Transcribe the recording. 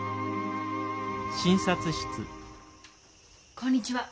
こんにちは。